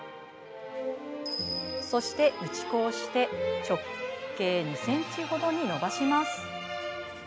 そして、打ち粉をして直径２ｃｍほどにのばします。